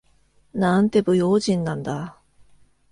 なんて不用心なんだ。